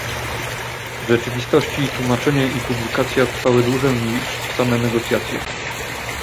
W rzeczywistości tłumaczenie i publikacja trwały dłużej niż same negocjacje